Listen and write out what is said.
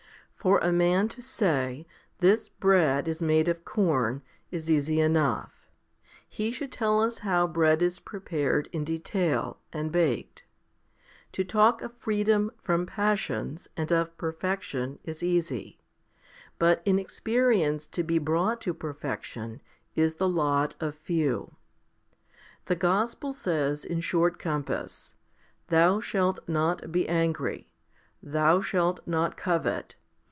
2 n. For a man to say, "This bread is made of corn," is easy enough. He should tell us how bread is prepared in detail, and baked. To talk of freedom from passions, and of perfection, is easy ; but in experience to be brought to perfection is the lot of few. The gospel says in short compass, " Thou shalt not be angry ; thou shalt not covet.